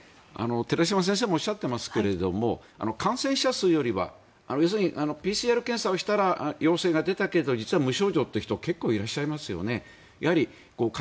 寺嶋先生もおっしゃっていますが感染者数よりは要するにＰＣＲ検査をしたら陽性が出たけれど実は無症状という人結構いらっしゃいますよね